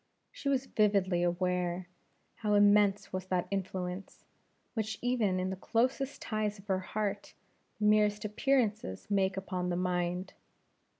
She was vividly aware how immense was that influence, which, even in the closest ties of the heart, the merest appearances make upon the mind.